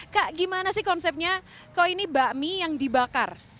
kak gimana sih konsepnya kok ini bakmi yang dibakar